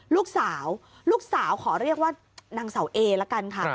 ลูกสาวลูกสาวขอเรียกว่านางเสาเอละกันค่ะ